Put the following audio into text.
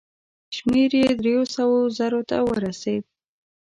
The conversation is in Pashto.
شمېر یې دریو سوو زرو ته ورسېد.